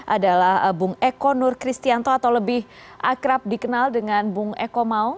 adalah bung eko nur kristianto atau lebih akrab dikenal dengan bung eko maung